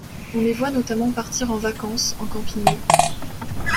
On les voit notamment partir en vacances, en camping.